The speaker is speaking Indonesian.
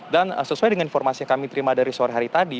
dan sesuai dengan informasi yang kami terima dari sore hari tadi